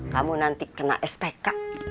kamu nanti kena spk